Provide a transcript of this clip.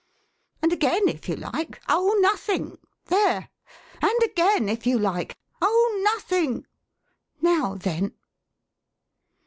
And again if you like, oh nothing — there ! And again if you like, oh nothing— now then